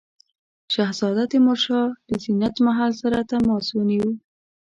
شهزاده تیمورشاه له زینت محل سره تماس ونیو.